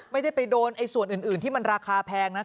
ไม่ได้ไปโดนส่วนอื่นที่มันราคาแพงนะ